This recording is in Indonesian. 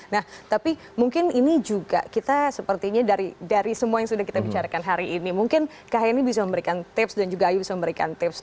nah tapi mungkin ini juga kita sepertinya dari semua yang sudah kita bicarakan hari ini mungkin kak heni bisa memberikan tips dan juga ayu bisa memberikan tips